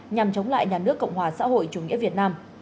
nhằm chống lại nhà nước cộng hòa xã hội chủ nghĩa việt nam